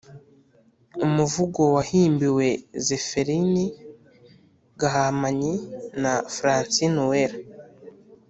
umuvugo wahimbiwe zeferini gahamanyi na francine uwera